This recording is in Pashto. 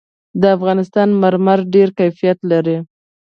د افغانستان مرمر ډېر کیفیت لري.